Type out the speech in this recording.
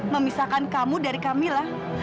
memisahkan kamu dari kamilah